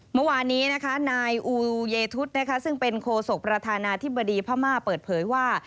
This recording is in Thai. เมื่อวานนี้นะคะนายอูเยทุศซึ่งเป็นโคศกประธานาธิบดีพม่าเปิดเผยว่า